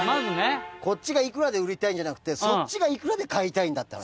こっちがいくらで売りたいんじゃなくてそっちがいくらで買いたいんだって話。